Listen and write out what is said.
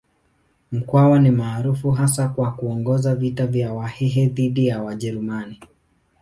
Mkwawa ni maarufu hasa kwa kuongoza vita vya Wahehe dhidi ya Wajerumani.